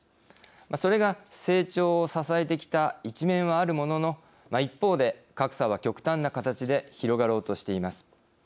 それが成長を支えてきた一面はあるものの一方で格差は極端な形で広がろうとしています。